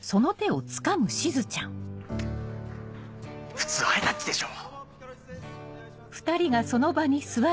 普通ハイタッチでしょ。